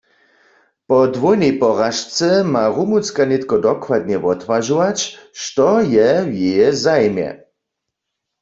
Po dwójnej poražce ma Rumunska nětko dokładnje wotwažować, što je w jeje zajimje.